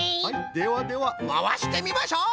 ではではまわしてみましょう！